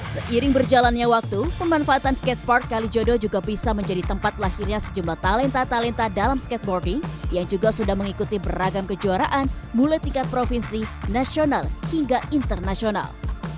seiring berjalannya waktu pemanfaatan skatepark kalijodo juga bisa menjadi tempat lahirnya sejumlah talenta talenta dalam skateboarding yang juga sudah mengikuti beragam kejuaraan mulai tingkat provinsi nasional hingga internasional